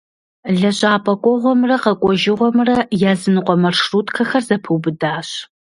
Лэжьапӏэ кӏуэгъуэмрэ къэкӏуэжыгъуэмрэ языныкъуэ маршруткэхэр зэпэубыдащ.